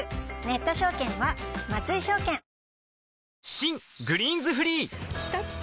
新「グリーンズフリー」きたきた！